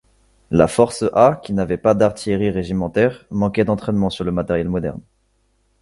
La Force A qui n'avait pas d'artillerie régimentaire, manquait d'entraînement sur le matériel moderne.